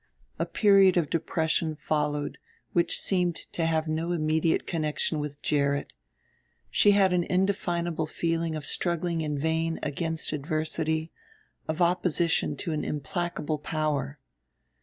A period of depression followed which seemed to have no immediate connection with Gerrit; she had an indefinable feeling of struggling in vain against adversity, of opposition to an implacable power.